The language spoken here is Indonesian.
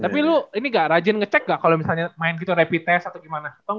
tapi lu ini gak rajin ngecek gak kalau misalnya main gitu rapid test atau gimana